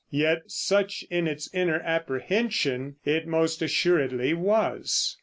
Yet such in its inner apprehension it most assuredly was.